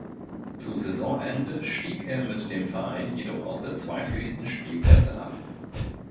Zu Saisonende stieg er mit dem Verein jedoch aus der zweithöchsten Spielklasse ab.